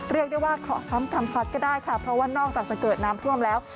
เรียกได้ว่าเคราะห์ซ้ำกรรมสัตว์ก็ได้ค่ะเพราะว่านอกจากจะเกิดน้ำท่วมแล้ว